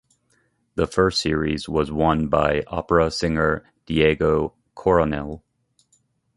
The first series was won by opera singer Diego Coronel.